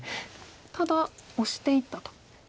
ただオシていったと。